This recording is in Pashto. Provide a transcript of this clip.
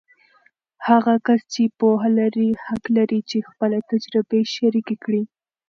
هغه کس چې پوهه لري، حق لري چې خپله تجربې شریکې کړي.